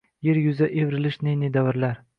Yer uzra evrilmish ne-ne davrlar